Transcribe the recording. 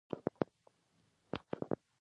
له ټولو مسافرو هېوادوالو څخه وپوښتئ.